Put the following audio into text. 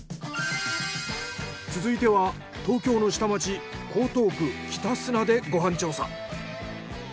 続いては東京の下町江東区北砂でご飯調査。